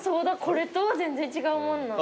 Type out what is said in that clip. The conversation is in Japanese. これとは全然違うもんな。